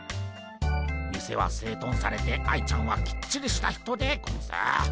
店は整頓されて愛ちゃんはきっちりした人でゴンス。